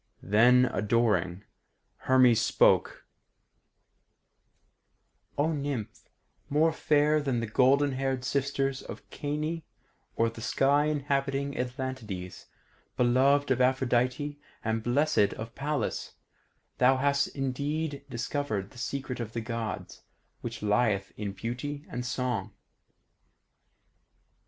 Then, adoring, Hermes spoke: "O Nymph more fair than the golden haired sisters of Cyane or the sky inhabiting Atlantides, beloved of Aphrodite and blessed of Pallas, thou hast indeed discovered the secret of the Gods, which lieth in beauty and song.